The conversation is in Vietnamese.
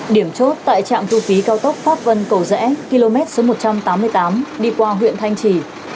điểm chốt tại trạm thu phí cao tốc pháp vân cầu rẽ km số một trăm tám mươi tám đi qua huyện thanh trì